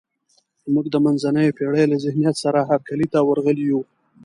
موږ د منځنیو پېړیو له ذهنیت سره هرکلي ته ورغلي یو.